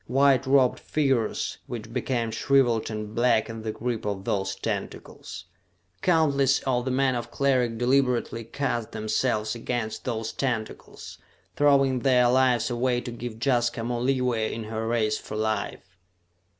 White robed figures which became shriveled and black in the grip of those tentacles. Countless of the men of Cleric deliberately cast themselves against those tentacles, throwing their lives away to give Jaska more leeway in her race for life.